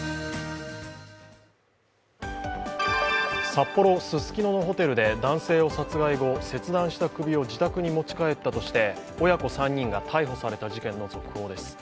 札幌・ススキノのホテルで男性を殺害後、切断した首を自宅に持ち帰ったとして親子３人が逮捕された事件の続報です。